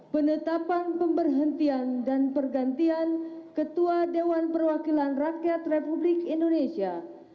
penetapan pemberhentian dan pergantian ketua dewan perwakilan rakyat republik indonesia